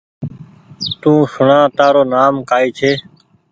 تو سوڻآ تآرو نآم ڪآئي ڇي